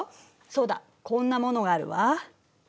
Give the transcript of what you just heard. そうだこんなものがあるわ。